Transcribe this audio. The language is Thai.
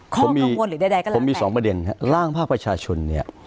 ข้อกังวลหรือใดก็หลังแต่ผมมี๒ประเด็นครับร่างภาพประชาชน